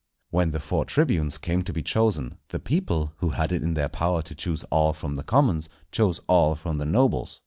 When the four tribunes came to be chosen, the people, who had it in their power to choose all from the commons, chose all from the nobles.